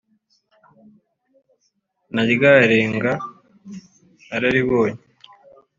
na rya renga nararibonye